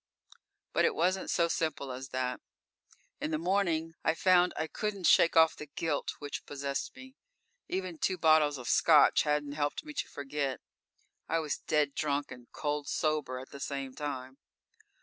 But it wasn't so simple as that. In the morning I found I couldn't shake off the guilt which possessed me. Even two bottles of Scotch hadn't helped me to forget. I was dead drunk and cold sober at the same time.